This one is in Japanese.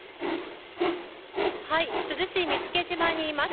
珠洲市見附島にいます。